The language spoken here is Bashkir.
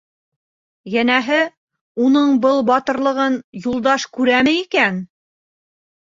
Йәнәһе: «Уның был батырлығын Юлдаш күрәме икән?»